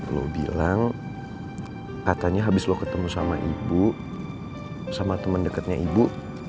lo bilang katanya habis lo ketemu sama ibu sama teman dekatnya ibu